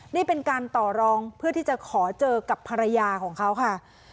นี่เป็นการต่อรองเพื่อที่จะขอเจอกับภรรยาของเขาค่ะ